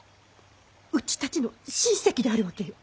うちたちの親戚であるわけよ。